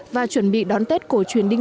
và chuẩn bị đón tết cổ truyền định